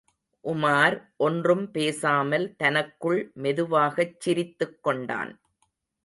உமார் ஒன்றும் பேசாமல் தனக்குள் மெதுவாகச் சிரித்துக் கொண்டான்.